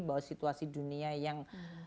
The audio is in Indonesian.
bahwa situasi dunia yang